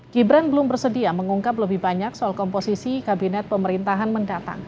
gibran belum bersedia mengungkap lebih banyak soal komposisi kabinet pemerintahan mendatang